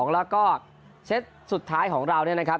แล้วก็เซ็ตสุดท้ายของเราเนี่ยนะครับ